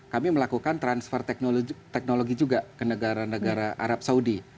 kami melakukan transfer teknologi juga ke negara negara arab saudi